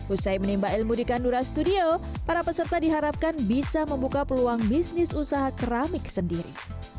usai menimba ilmu di kandura studio para peserta diharapkan bisa membuka peluang bisnis usaha keramik sendiri